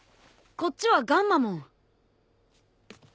こっちはガンマモン。